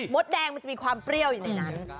ดแดงมันจะมีความเปรี้ยวอยู่ในนั้น